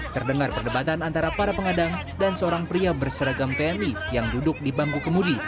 terdengar perdebatan antara para pengadang dan seorang pria berseragam tni yang duduk di bangku kemudi